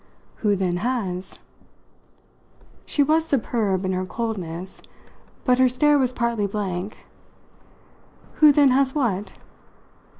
"Who, then, has?" She was superb in her coldness, but her stare was partly blank. "Who then has what?"